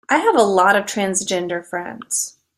I have a lot of transgender friends